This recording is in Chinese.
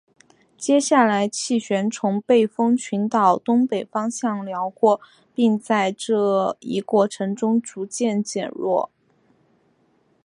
接下来气旋从背风群岛东北方向掠过并在这一过程中继续逐渐减弱。